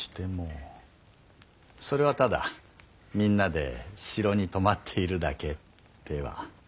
それはただみんなで城に泊まっているだけでは？